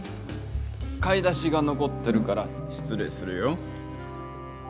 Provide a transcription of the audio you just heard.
買い出しがのこってるからしつ礼するよ。